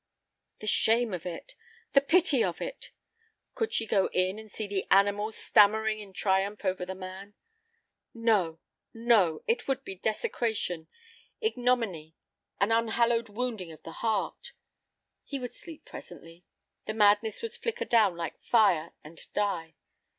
The shame of it, the pity of it! Could she go in and see the "animal" stammering in triumph over the "man"? No, no, it would be desecration, ignominy, an unhallowed wounding of the heart. He would sleep presently. The madness would flicker down like fire and die.